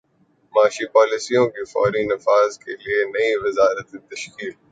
معاشی پالیسیوں کے فوری نفاذ کیلئے نئی وزارتیں تشکیل